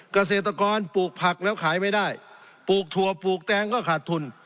เกษตรกรปลูกผักแล้วขายไม่ได้ปลูกถั่วปลูกแตงก็ขาดทุน